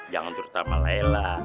jangan terutama layla